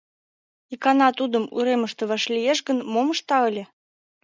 Икана тудым уремыште вашлиеш гын, мом ышта ыле?